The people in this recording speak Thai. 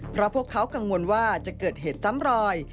เพราะพวกเขากังวลว่าจะเกิดเหตุซ้ำรอย